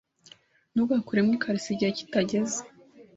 ntugakuremo ikariso igihe kitageze